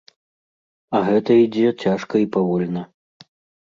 А гэта ідзе цяжка і павольна.